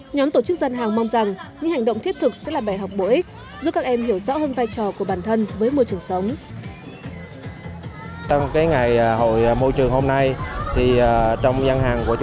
nhóm tổ chức gian hàng mong rằng những hành động thiết thực sẽ là bài học bổ ích